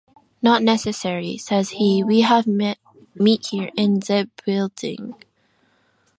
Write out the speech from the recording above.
"Not necessary," says he, "we have meat here...in ze buildink!!